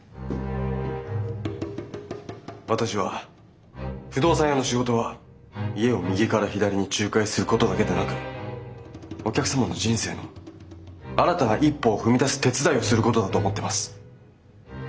私は不動産屋の仕事は家を右から左に仲介することだけでなくお客様の人生の新たな一歩を踏み出す手伝いをすることだと思ってます。